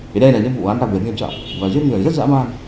vì đây là những vụ án đặc biệt nghiêm trọng và giết người rất dã man